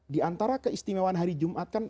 di antara keistimewaan hari jumat kan